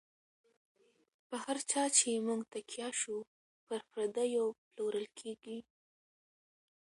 په هر چا چی مو نږ تکیه شو، پر پردیو پلورل کیږی